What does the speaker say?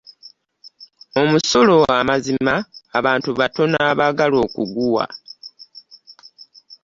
Omusolo amazima abantu batono abaagala okuguwa.